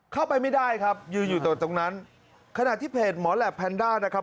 เข้าไปไม่ได้ครับยืนอยู่ตรงนั้นขณะที่เพจหมอแหลปแพนด้านะครับ